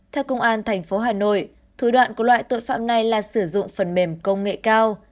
theo công an tp hà nội thủ đoạn của loại tội phạm này là sử dụng phần mềm công nghệ cao